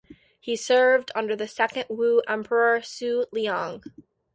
He served under the second Wu emperor Sun Liang.